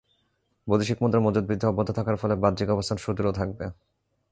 বৈদেশিক মুদ্রার মজুত বৃদ্ধি অব্যাহত থাকার ফলে বাহ্যিক অবস্থান সুদৃঢ় থাকবে।